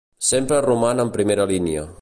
Sempre roman en primera línia.